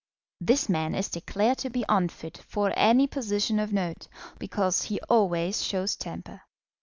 This man is declared to be unfit for any position of note, because he always shows temper.